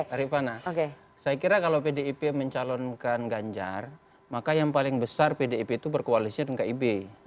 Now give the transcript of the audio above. arifana saya kira kalau pdip mencalonkan ganjar maka yang paling besar pdip itu berkoalisi dengan kib